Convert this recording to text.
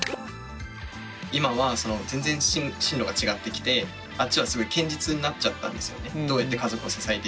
今は全然進路が違ってきてあっちはすごい堅実になっちゃったんですよね。